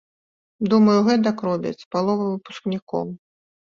Думаю, гэтак робяць палова выпускнікоў.